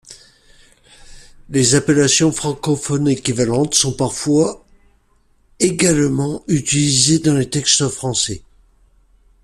Les appellations francophones équivalentes sont parfois également utilisées dans les textes français.